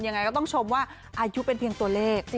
ยังไงก็ต้องชมว่าอายุเป็นเพียงตัวเลข